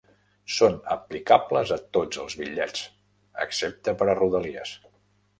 Són aplicables a tots els bitllets, excepte per a Rodalies.